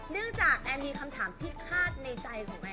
เนื่องจากแอมมีคำถามที่ฆาตในใจของแอ